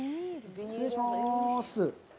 失礼します。